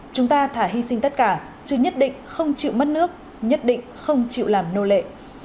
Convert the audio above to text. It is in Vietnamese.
chúng ta thả hy sinh tất cả chứ nhất định không chịu mất nước nhất định không chịu làm nô lệ